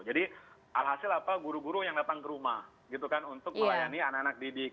jadi alhasil apa guru guru yang datang ke rumah gitu kan untuk melayani anak anak didik